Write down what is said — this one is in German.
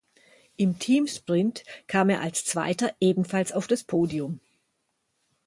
Im Teamsprint kam er als Zweiter ebenfalls auf das Podium.